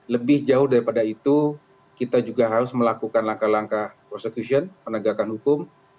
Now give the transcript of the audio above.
lebih jauh daripada itu kita juga harus melakukan langkah langkah persecution penegakan hukum